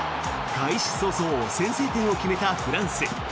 開始早々、先制点を決めたフランス。